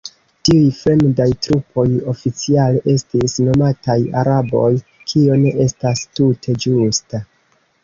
Tiuj fremdaj trupoj oficiale estis nomataj "araboj", kio ne estas tute ĝusta.